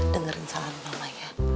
dengerin saran mama ya